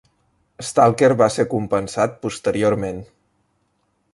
Stalker va ser compensat posteriorment.